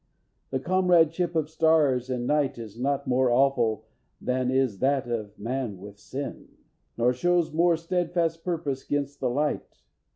"The comradeship of stars and night is not More awful than is that of man with sin, Nor shows more steadfast purpose 'gainst the light.